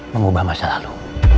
mengubah masa lalu